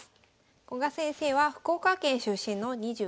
古賀先生は福岡県出身の２２歳。